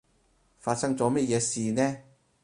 發生咗咩嘢事呢？